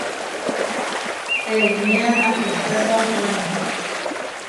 Teeméa akisuépa ohoé.